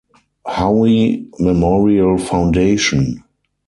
Howe Memorial Foundation.